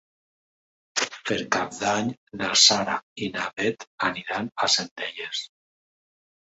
Per Cap d'Any na Sara i na Bet aniran a Centelles.